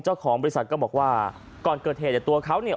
เจ้าของบริษัทก็บอกว่าก่อนเกิดเหตุเนี่ยตัวเขาเนี่ย